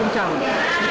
pada saat sudah di atas